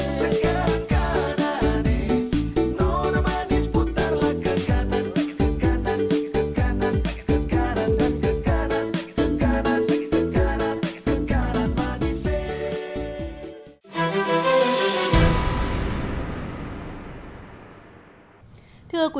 nếu bạn nhìn từ